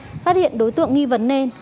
công an phát hiện đối tượng nghi vấn nên